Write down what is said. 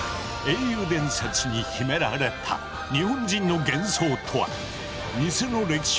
英雄伝説に秘められた日本人の幻想とは？